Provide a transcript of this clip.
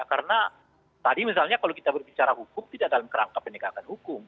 karena tadi misalnya kalau kita berbicara hukum tidak dalam kerangka pendekatan hukum